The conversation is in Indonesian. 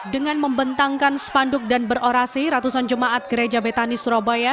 dengan membentangkan spanduk dan berorasi ratusan jemaat gereja betani surabaya